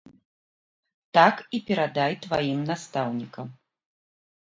Так і перадай тваім настаўнікам.